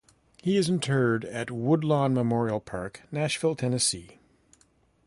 He is interred at Woodlawn Memorial Park, Nashville, Tennessee.